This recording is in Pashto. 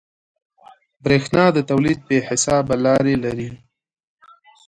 برېښنا د تولید بې حسابه لارې لري.